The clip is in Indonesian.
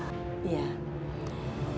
itu sepertinya ada orang bu